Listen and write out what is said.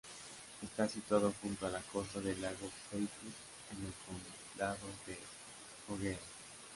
Está situado junto a la costa del lago Peipus, en el Condado de Jõgeva.